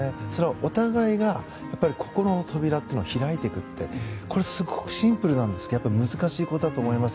お互いが心の扉というのを開いていくってこれがすごくシンプルなんですが難しいことだと思います。